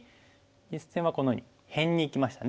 実戦はこのように辺にいきましたね。